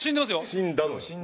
死んだのよ